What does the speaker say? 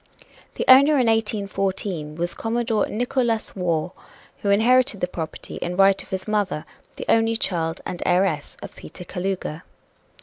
The owner in 1814 was Commodore Nickolas Waugh, who inherited the property in right of his mother, the only child and heiress of Peter Kalouga.